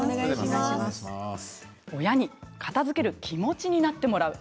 親に片づける気持ちになってもらう。